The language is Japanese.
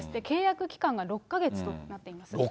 契約期間が６か月となっています。